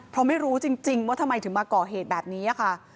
เพราะไม่รู้จริงว่าทำไมถึงมาก่อเหตุแบบนี้ค่ะ